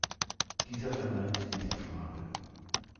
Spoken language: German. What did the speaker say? Dieser verneint diese Frage.